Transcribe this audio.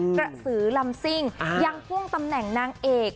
กระสือลำซิ่งยังพ่วงตำแหน่งนางเอก